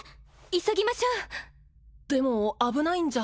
急ぎましょうでも危ないんじゃ